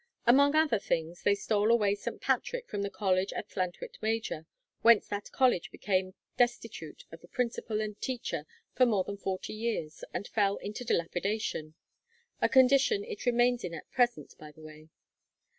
Among other things, they stole away St. Patrick from the college at Llantwit Major, 'whence that college became destitute of a principal and teacher for more than forty years, and fell into dilapidation' a condition it remains in at present, by the way.